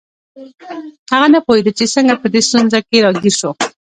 هغه نه پوهیده چې څنګه په دې ستونزه کې راګیر شو